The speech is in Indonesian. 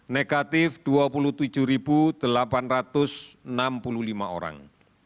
negatif dua puluh tujuh delapan ratus enam puluh lima orang